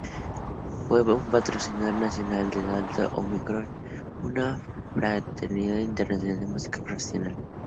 Fue un patrocinador nacional de Delta Omicron, una fraternidad internacional de música profesional.